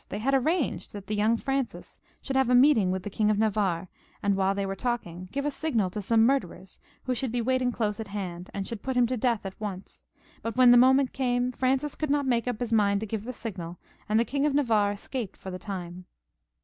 They had arranged that the young Francis should have a meeting with the King of Navarre, and while they were talking give a sigiial to some murderers who would be waiting close at hand, and would put him to death at once ; but when the moment came Francis could not make up his mind to give the signal, and the King of Navarre escaped for the time.